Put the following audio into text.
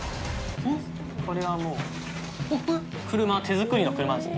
これはもう車、手作りの車です。